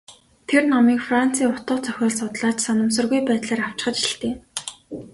Тэр номыг Францын утга зохиол судлаач санамсаргүй байдлаар авчхаж л дээ.